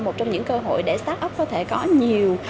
một trong những cơ hội để start up có thể có nhiều